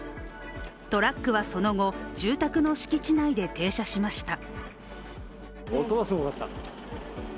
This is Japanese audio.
トラックはその後住宅の敷地内で停車しました。